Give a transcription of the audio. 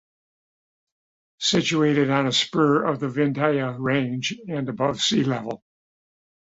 Situated on a spur of the Vindhya Range and above sea-level.